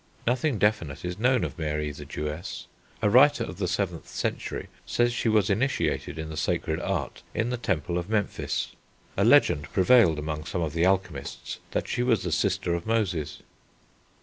Nothing definite is known of Mary the Jewess. A writer of the 7th century says she was initiated in the sacred art in the temple of Memphis; a legend prevailed among some of the alchemists that she was the sister of Moses.